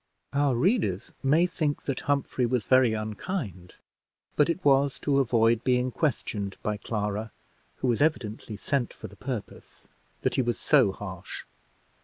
Our readers may think that Humphrey was very unkind, but it was to avoid being questioned by Clara, who was evidently sent for the purpose, that he was so harsh.